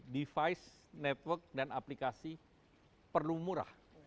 device network dan aplikasi perlu murah